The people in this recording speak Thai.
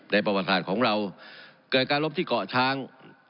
ประวัติศาสตร์ของเราเกิดการลบที่เกาะช้าง